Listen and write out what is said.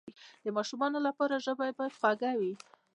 د ماشومانو لپاره ژبه باید خوږه وي.